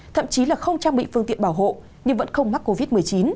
thậm chí là không trang bị phương tiện bảo hộ nhưng vẫn không mắc covid một mươi chín